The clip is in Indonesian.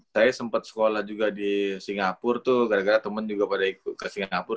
saya sempat sekolah juga di singapura tuh gara gara temen juga pada ikut ke singapura